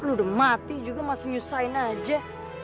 lu udah mati juga masih nyusign aja